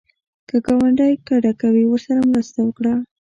که ګاونډی کډه کوي، ورسره مرسته وکړه